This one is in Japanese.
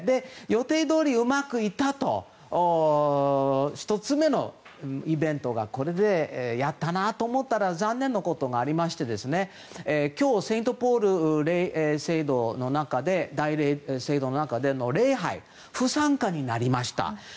予定どおりうまくいったと１つ目のイベントがこれでやったなと思ったら残念なことがありまして今日セントポール大聖堂の中での礼拝は不参加になりました。